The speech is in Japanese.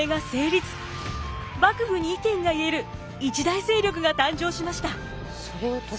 幕府に意見が言える一大勢力が誕生しました。